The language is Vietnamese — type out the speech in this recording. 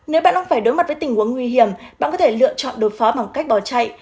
nếu bạn không phải đối mặt với tình huống nguy hiểm bạn có thể lựa chọn đối phó bằng cách báo chạy